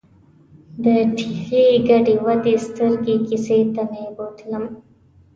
د ټېغې ګډې ودې سترګې کیسې ته مې بوتلم.